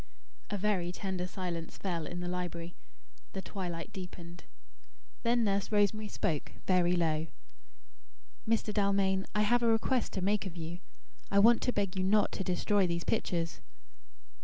A very tender silence fell in the library. The twilight deepened. Then Nurse Rosemary spoke, very low. "Mr. Dalmain, I have a request to make of you. I want to beg you not to destroy these pictures."